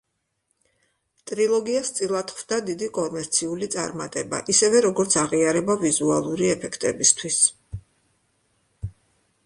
ტრილოგიას წილად ხვდა დიდი კომერციული წარმატება, ისევე, როგორც აღიარება ვიზუალური ეფექტებისთვის.